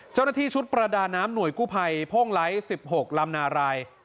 เจ้าหน้าที่ชุดประดาน้ำหน่วยกู้ภัยพ่งไลท์๑๖ลำนาราย